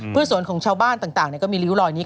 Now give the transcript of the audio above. เพื่อสวนของชาวบ้านต่างก็มีริ้วรอยนี้